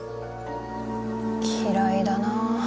嫌いだなあ